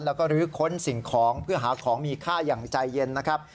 แล้วก็ลื้อค้นสิ่งของเพื่อหาของมีค่าอย่างใจเย็นนะครับ